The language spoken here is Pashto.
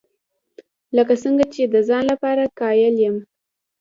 لکه څنګه چې د ځان لپاره قایل یم.